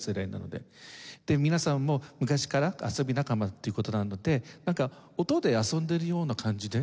で皆さんも昔から遊び仲間という事なのでなんか音で遊んでいるような感じで。